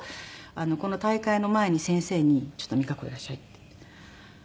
この大会の前に先生に「ちょっと実可子いらっしゃい」って。